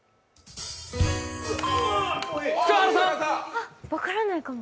あっ、分からないかも。